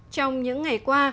trong những ngày qua